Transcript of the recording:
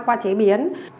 qua chế biến